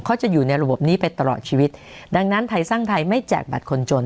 เขาจะอยู่ในระบบนี้ไปตลอดชีวิตดังนั้นไทยสร้างไทยไม่แจกบัตรคนจน